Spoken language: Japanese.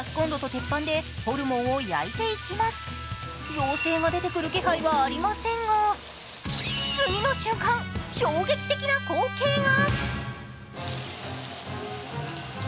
妖精が出てくる気配はありませんが次の瞬間、衝撃的な光景が。